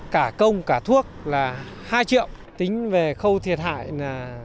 cả công cả thuốc là hai triệu tính về khâu thiệt hại